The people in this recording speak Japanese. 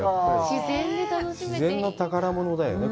自然の宝物だよね。